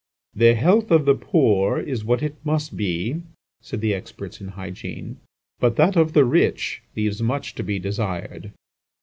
"The health of the poor is what it must be," said the experts in hygiene, "but that of the rich leaves much to be desired."